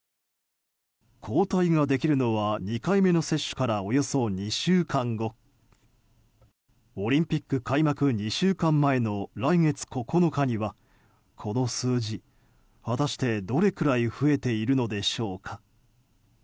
抗体ができるのは２回目の接種からおよそ２週間後オリンピック開幕２週間前の来月９日にはこの数字、果たしてどれくらい増えているのでしょうか。